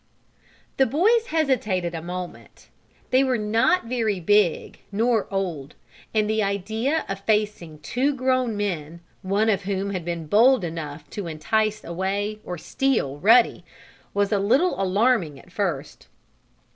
The boys hesitated a moment. They were not very big nor old, and the idea of facing two grown men, one of whom had been bold enough to entice away, or steal, Ruddy, was a little alarming at first.